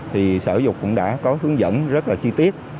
thì sở giáo dục cũng đã có hướng dẫn rất là chi tiết